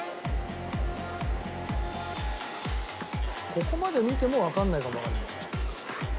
ここまで見てもわかんないかもわかんない。